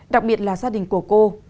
đặc biệt là gia đình của cô